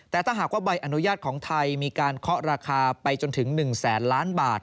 แต่ถ้าหากว่าใบอนุญาตของไทยมีการเคาะราคาไปจนถึง๑แสนล้านบาท